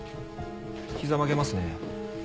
ひざ曲げますね。